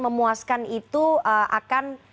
memuaskan itu akan